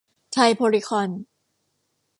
ไทยโพลีคอนส์